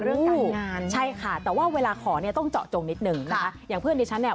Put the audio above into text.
เรื่องการงานใช่ค่ะแต่ว่าเวลาขอเนี่ยต้องเจาะจงนิดหนึ่งนะคะอย่างเพื่อนดิฉันเนี่ย